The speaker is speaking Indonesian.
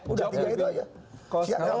udah tiga itu aja